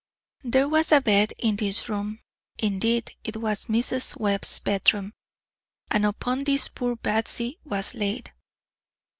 There was a bed in this room (indeed, it was Mrs. Webb's bedroom), and upon this poor Batsy was laid.